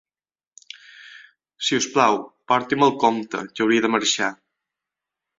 Si us plau, porti'm el compte, que hauria de marxar.